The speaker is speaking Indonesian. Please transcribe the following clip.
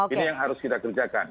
ini yang harus kita kerjakan